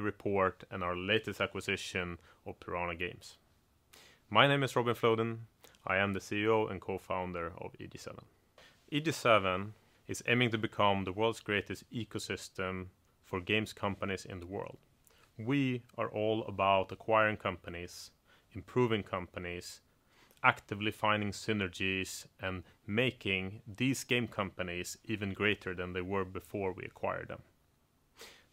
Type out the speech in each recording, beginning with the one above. Report and our latest acquisition of Piranha Games. My name is Robin Flodin. I am the CEO and Co-founder of EG7. EG7 is aiming to become the world's greatest ecosystem for games companies in the world. We are all about acquiring companies, improving companies, actively finding synergies, and making these game companies even greater than they were before we acquired them.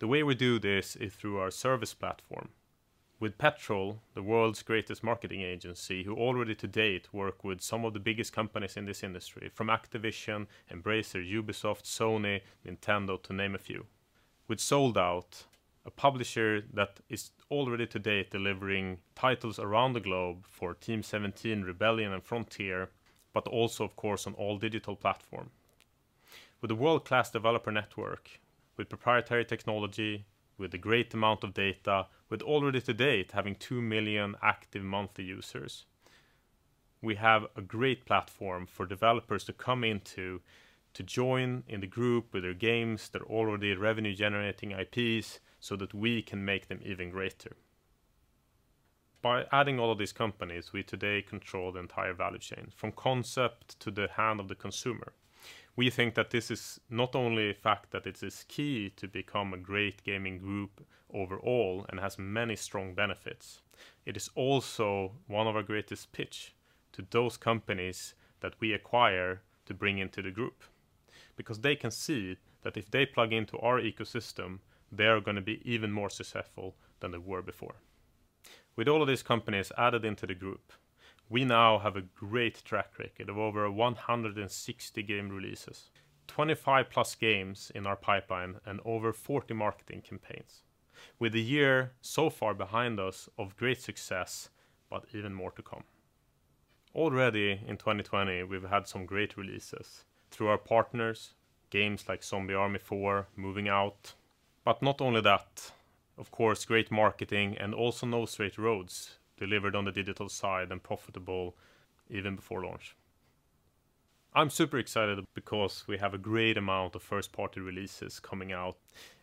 The way we do this is through our service platform. With Petrol, the world's greatest marketing agency, who already to date work with some of the biggest companies in this industry, from Activision, Embracer, Ubisoft, Sony, Nintendo, to name a few. With Sold Out, a publisher that is already to date delivering titles around the globe for Team17, Rebellion, and Frontier, but also, of course, on all digital platform. With a world-class developer network, with proprietary technology, with a great amount of data, with already to date having two million active monthly users. We have a great platform for developers to come into to join in the group with their games, their already revenue-generating IPs, so that we can make them even greater. By adding all of these companies, we today control the entire value chain, from concept to the hand of the consumer. We think that this is not only a fact that it is key to become a great gaming group overall and has many strong benefits, it is also one of our greatest pitch to those companies that we acquire to bring into the group. They can see that if they plug into our ecosystem, they are going to be even more successful than they were before. With all of these companies added into the group, we now have a great track record of over 160 game releases, 25+ games in our pipeline, and over 40 marketing campaigns. With a year so far behind us of great success, but even more to come. Already in 2020, we've had some great releases through our partners, games like "Zombie Army 4," "Moving Out," but not only that, of course, great marketing and also "No Straight Roads" delivered on the digital side and profitable even before launch. I'm super excited because we have a great amount of first-party releases coming out.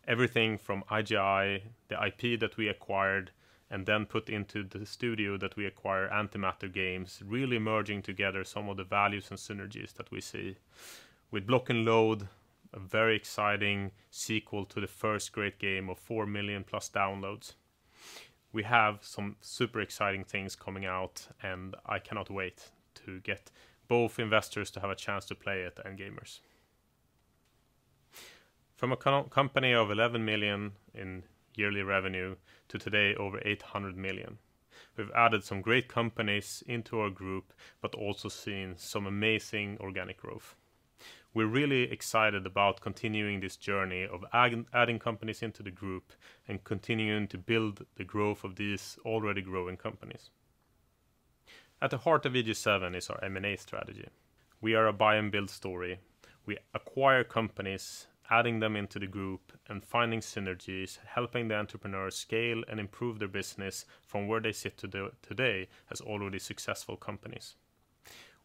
Everything from I.G.I., the IP that we acquired and then put into the studio that we acquire, AntiMatter Games, really merging together some of the values and synergies that we see. With Block N Load, a very exciting sequel to the first great game of four million plus downloads. We have some super exciting things coming out, and I cannot wait to get both investors to have a chance to play it, and gamers. From a company of 11 million in yearly revenue to today over 800 million. We've added some great companies into our group, but also seen some amazing organic growth. We're really excited about continuing this journey of adding companies into the group and continuing to build the growth of these already growing companies. At the heart of EG7 is our M&A strategy. We are a buy and build story. We acquire companies, adding them into the group and finding synergies, helping the entrepreneurs scale and improve their business from where they sit today as already successful companies.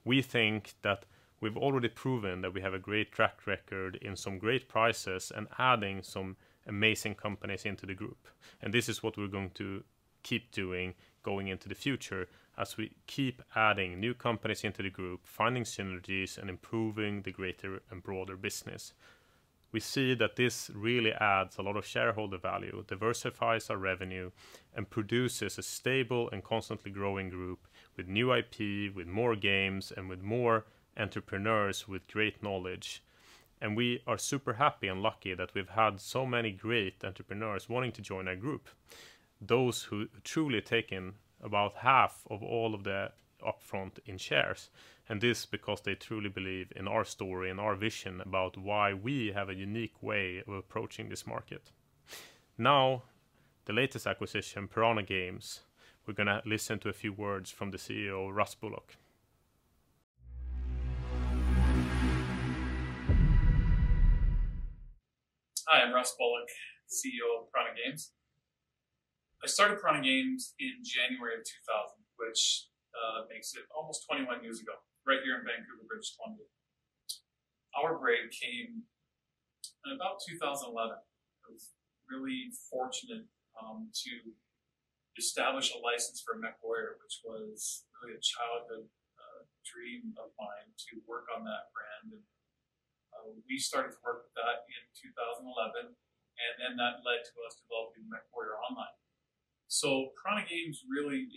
We think that we've already proven that we have a great track record in some great prices and adding some amazing companies into the group. This is what we're going to keep doing going into the future as we keep adding new companies into the group, finding synergies, and improving the greater and broader business. We see that this really adds a lot of shareholder value, diversifies our revenue, and produces a stable and constantly growing group with new IP, with more games, and with more entrepreneurs with great knowledge. We are super happy and lucky that we've had so many great entrepreneurs wanting to join our group. Those who truly taken about half of all of the upfront in shares, this because they truly believe in our story and our vision about why we have a unique way of approaching this market. Now, the latest acquisition, Piranha Games. We're going to listen to a few words from the CEO, Russ Bullock. Hi, I'm Russ Bullock, CEO of Piranha Games. I started Piranha Games in January of 2000, which makes it almost 21 years ago, right here in Vancouver, British Columbia. Our break came in about 2011. I was really fortunate to establish a license for MechWarrior, which was really a childhood dream of mine to work on that brand. We started to work with that in 2011, and then that led to us developing MechWarrior Online. Piranha Games really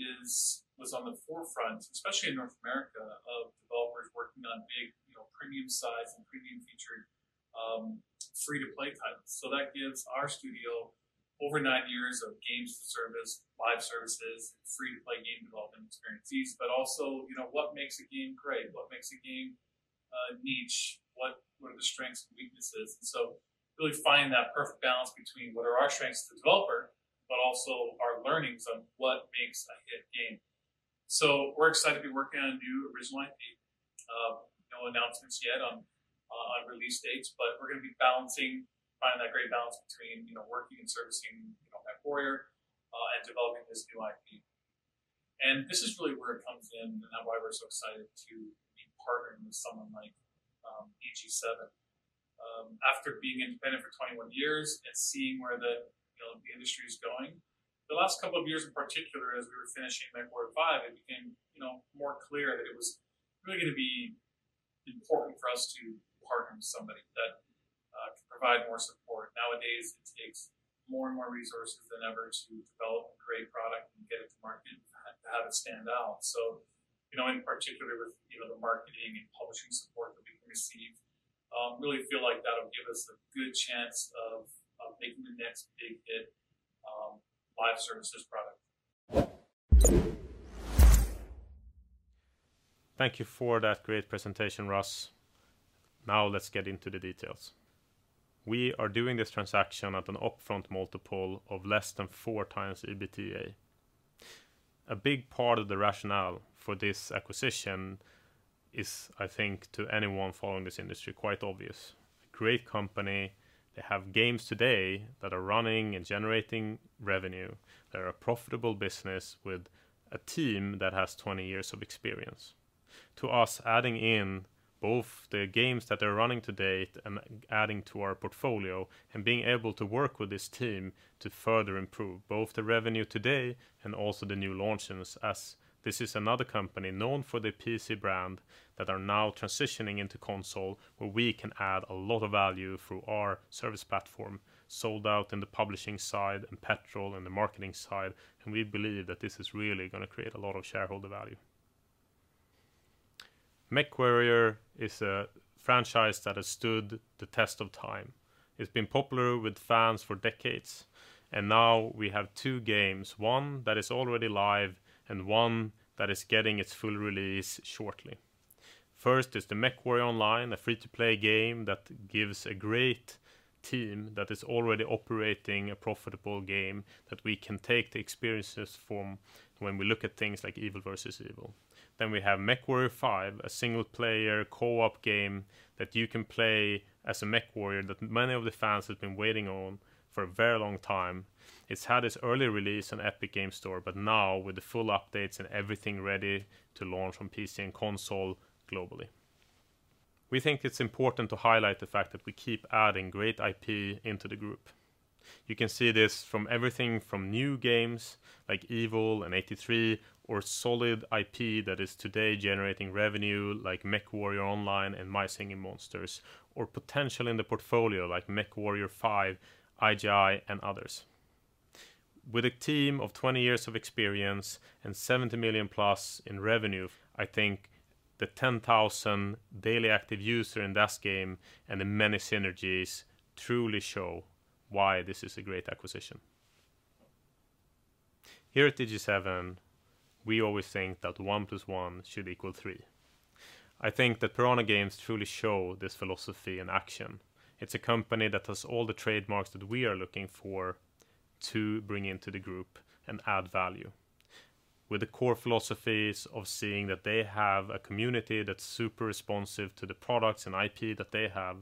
was on the forefront, especially in North America, of developers working on big premium-sized and premium-featured free-to-play titles. That gives our studio over nine years of games as a service, live services, free-to-play game development experiences, but also what makes a game great? What makes a game niche? What are the strengths and weaknesses? Really finding that perfect balance between what are our strengths as a developer, but also our learnings on what makes a hit game. We're excited to be working on a new original IP. No announcements yet on release dates, but we're going to be finding that great balance between working and servicing MechWarrior developing this new IP. This is really where it comes in and why we're so excited to be partnering with someone like EG7. After being independent for 21 years and seeing where the industry is going, the last couple of years in particular, as we were finishing MechWarrior 5, it became more clear that it was really going to be important for us to partner with somebody that can provide more support. Nowadays, it takes more and more resources than ever to develop a great product and get it to market and have it stand out. In particular with the marketing and publishing support that we can receive, really feel like that'll give us a good chance of making the next big hit live services product. Thank you for that great presentation, Russ. Now let's get into the details. We are doing this transaction at an upfront multiple of less than 4x EBITDA. A big part of the rationale for this acquisition is, I think to anyone following this industry, quite obvious. Great company. They have games today that are running and generating revenue. They're a profitable business with a team that has 20 years of experience. To us, adding in both the games that they're running to date and adding to our portfolio and being able to work with this team to further improve both the revenue today and also the new launches, as this is another company known for their PC brand that are now transitioning into console, where we can add a lot of value through our service platform, Sold Out in the publishing side and Petrol in the marketing side, and we believe that this is really going to create a lot of shareholder value. MechWarrior is a franchise that has stood the test of time. It's been popular with fans for decades, and now we have two games, one that is already live and one that is getting its full release shortly. First is the MechWarrior Online, a free-to-play game that gives a great team that is already operating a profitable game that we can take the experiences from when we look at things like EvilvEvil. We have MechWarrior 5, a single-player co-op game that you can play as a MechWarrior that many of the fans have been waiting on for a very long time. It's had its early release on Epic Games Store, now with the full updates and everything ready to launch on PC and console globally. We think it's important to highlight the fact that we keep adding great IP into the group. You can see this from everything from new games like EvilvEvil and '83 or solid IP that is today generating revenue like MechWarrior Online and My Singing Monsters, or potential in the portfolio like MechWarrior 5, I.G.I., and others. With a team of 20 years of experience and 70 million+ in revenue, I think the 10,000 daily active user in this game and the many synergies truly show why this is a great acquisition. Here at EG7, we always think that one plus one should equal three. I think that Piranha Games truly show this philosophy in action. It's a company that has all the trademarks that we are looking for to bring into the group and add value. With the core philosophies of seeing that they have a community that's super responsive to the products and IP that they have,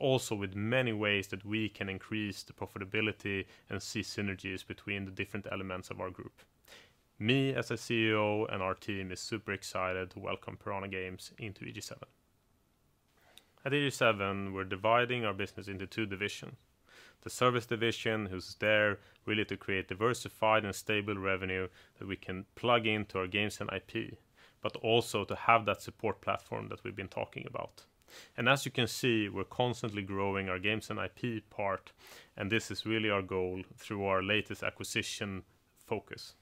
also with many ways that we can increase the profitability and see synergies between the different elements of our group. Me as a CEO and our team is super excited to welcome Piranha Games into EG7. At EG7, we're dividing our business into two divisions. The service division, who's there really to create diversified and stable revenue that we can plug into our games and IP, but also to have that support platform that we've been talking about. As you can see, we're constantly growing our games and IP part, and this is really our goal through our latest acquisition focus.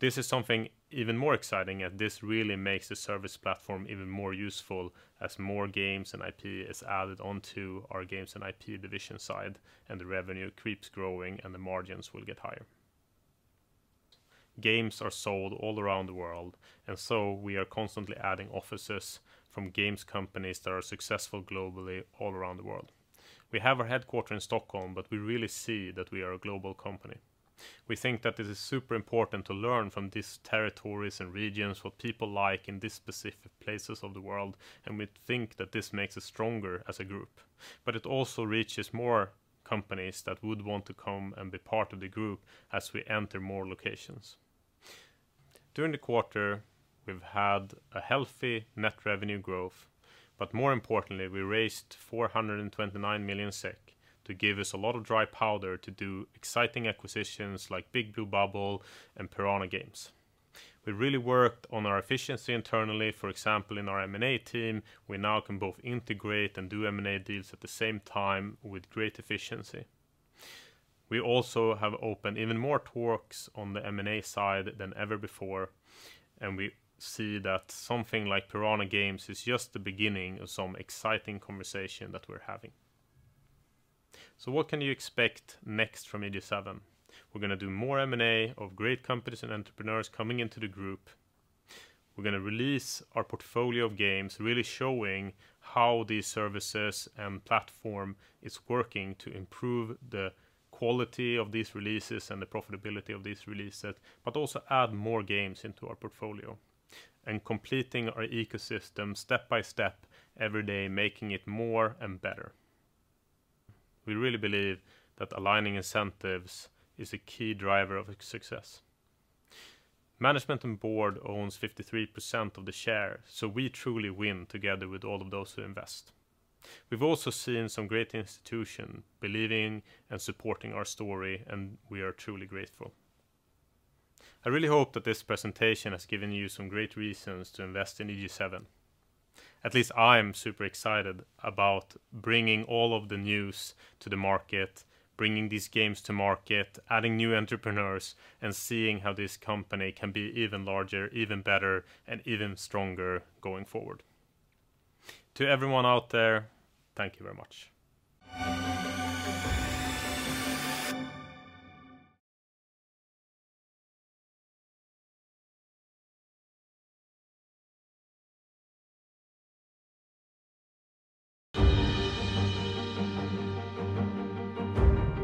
This is something even more exciting, and this really makes the service platform even more useful as more games and IP is added onto our games and IP division side and the revenue keeps growing and the margins will get higher. Games are sold all around the world. We are constantly adding offices from games companies that are successful globally all around the world. We have our headquarter in Stockholm, but we really see that we are a global company. We think that it is super important to learn from these territories and regions what people like in these specific places of the world, and we think that this makes us stronger as a group. It also reaches more companies that would want to come and be part of the group as we enter more locations. During the quarter, we've had a healthy net revenue growth, but more importantly, we raised 429 million SEK to give us a lot of dry powder to do exciting acquisitions like Big Blue Bubble and Piranha Games. We really worked on our efficiency internally. For example, in our M&A team, we now can both integrate and do M&A deals at the same time with great efficiency. We also have opened even more talks on the M&A side than ever before. We see that something like Piranha Games is just the beginning of some exciting conversation that we're having. What can you expect next from EG7? We're going to do more M&A of great companies and entrepreneurs coming into the group. We're going to release our portfolio of games, really showing how these services and platform is working to improve the quality of these releases and the profitability of these releases, but also add more games into our portfolio and completing our ecosystem step by step every day, making it more and better. We really believe that aligning incentives is a key driver of its success. Management and board owns 53% of the share, so we truly win together with all of those who invest. We've also seen some great institution believing and supporting our story, and we are truly grateful. I really hope that this presentation has given you some great reasons to invest in EG7. At least I'm super excited about bringing all of the news to the market, bringing these games to market, adding new entrepreneurs, and seeing how this company can be even larger, even better, and even stronger going forward. To everyone out there, thank you very much.